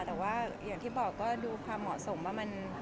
แต่ว่าอย่างที่บอกก็ดูความเหมาะสมว่ามัน